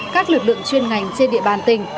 các lực lượng chuyên ngành trên địa bàn tỉnh